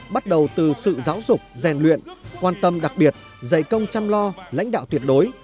bắt đầu từ sự giáo dục rèn luyện quan tâm đặc biệt dạy công chăm lo lãnh đạo tuyệt đối